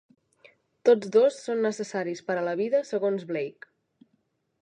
Tots dos són necessaris per a la vida segons Blake.